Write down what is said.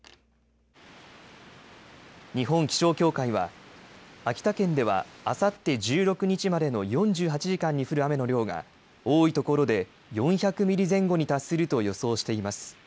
日本気象協会は秋田県ではあさって１６日までの４８時間に降る雨の量が多いところで４００ミリ前後に達すると予想しています。